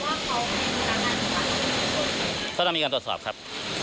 ว่าเขาให้พลังกาลตรวจส่วนต้องมีการตรวจสอบครับ